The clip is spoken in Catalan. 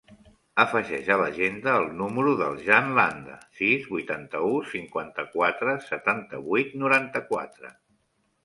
Afegeix a l'agenda el número del Jan Landa: sis, vuitanta-u, cinquanta-quatre, setanta-vuit, noranta-quatre.